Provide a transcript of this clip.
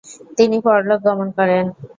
তিনি পরলোক গমন করেন ।